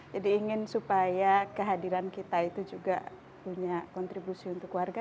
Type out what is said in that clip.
jadi ingin supaya kehadiran kita itu juga punya kontribusi untuk warga